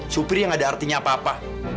supir yang ada artinya apa apa